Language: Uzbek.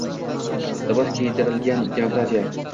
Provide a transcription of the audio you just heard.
«Libos kiydirilgan» demokratiya